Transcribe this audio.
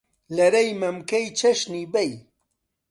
لەرەی مەمکەی چەشنی بەی